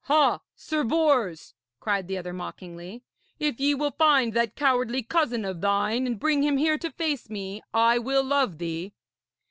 'Ha! Sir Bors,' cried the other mockingly, 'if ye will find that cowardly cousin of thine, and bring him here to face me, I will love thee.'